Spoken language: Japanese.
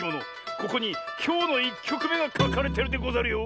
ここにきょうの１きょくめがかかれてるでござるよ。